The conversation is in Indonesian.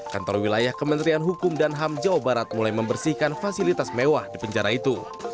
kantor wilayah kementerian hukum dan ham jawa barat mulai membersihkan fasilitas mewah di penjara itu